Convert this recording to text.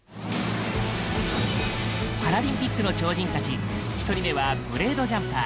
パラリンピックの超人たち１人目は、ブレードジャンパー